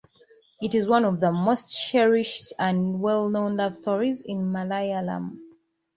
It is one of the most cherished and well-known love stories in Malayalam.